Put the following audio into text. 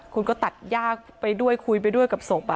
คุณก็ตัดยากไปด้วยคุยไปด้วยกับศพ